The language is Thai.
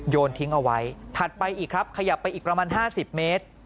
โยนทิ้งเอาไว้ถัดไปอีกครับขยับไปอีกประมาณ๕๐เมตร